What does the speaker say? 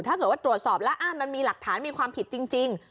ถ้าเกิดว่าตรวจสอบแล้วมันมีหลักฐานมีความผิดจริง